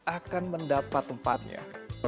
akan mendapat tempatnya